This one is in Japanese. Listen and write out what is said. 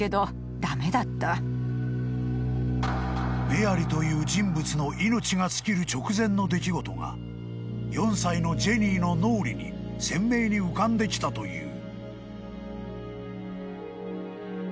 ［メアリという人物の命が尽きる直前の出来事が４歳のジェニーの脳裏に鮮明に浮かんできたという］